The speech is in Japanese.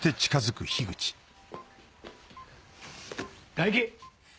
大樹！